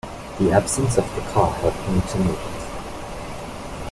The absence of the car helped me to make it.